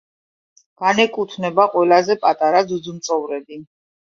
განეკუთვნება ყველაზე პატარა ძუძუმწოვრები.